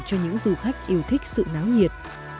cho những du khách yêu thích sự náo nhiệt